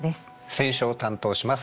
選書を担当します